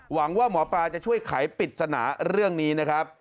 หวังว่าหมอปลาจะช่วยไขปริศนาเรื่องนี้นะครับ